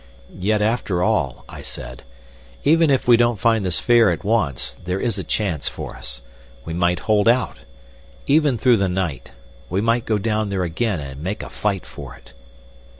"Yet after all," I said, "even if we don't find the sphere at once, there is a chance for us. We might hold out. Even through the night. We might go down there again and make a fight for it."